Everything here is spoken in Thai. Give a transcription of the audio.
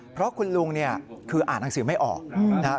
เพราะคุณลุงคืออ่านหนังสือไม่ออกนะฮะ